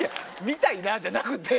「みたいな」じゃなくて。